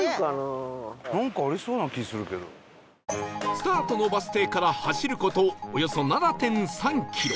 スタートのバス停から走る事およそ ７．３ キロ